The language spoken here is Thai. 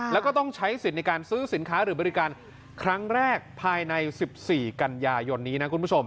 แล้วก็ต้องใช้สิทธิ์ในการซื้อสินค้าหรือบริการครั้งแรกภายใน๑๔กันยายนนี้นะคุณผู้ชม